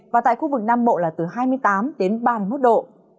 và tại khu vực nam bộ là từ hai mươi tám đến ba mươi một độ